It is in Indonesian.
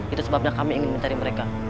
itu sebabnya kami ingin mencari mereka